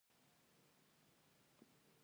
د لوګر په څرخ کې د کرومایټ نښې شته.